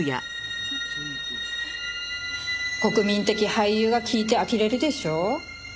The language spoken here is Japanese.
国民的俳優が聞いてあきれるでしょ？